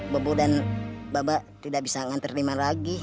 bobo dan baba tidak bisa nganter rima lagi